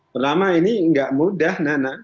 pertama ini nggak mudah nana